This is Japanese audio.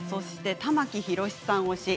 玉木宏さん推しです。